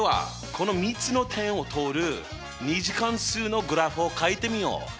この３つの点を通る２次関数のグラフをかいてみよう！